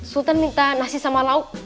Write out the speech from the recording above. sultan minta nasi sama lauk